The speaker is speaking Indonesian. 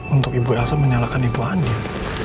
untuk ibu elsa menyalahkan ibu andin